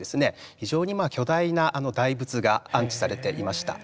非常に巨大な大仏が安置されていました。